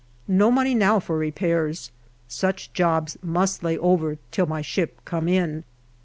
No money now for repairs. Such jobs must lay over till " my ship came in.''